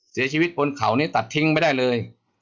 เสียชีวิตบนเขานี้ตัดทิ้งไม่ได้เลย